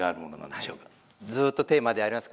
ずっとテーマであります